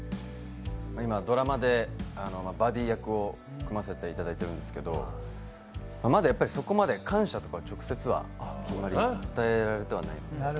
ドラマでバディ役を組ませていただいているんですけどまだそこまで感謝とかって直接は伝えられてはいない。